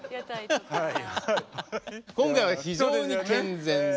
今回は非常に健全で。